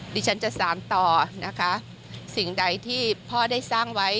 ดิฉันจะสามต่อนะคะสิ่งใดที่พ่อได้สร้างไว้